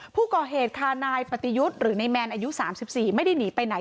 ผู้ก่อเหตุค่ะนายปฏิยุทธ์หรือนายแมนอายุ๓๔ไม่ได้หนีไปไหน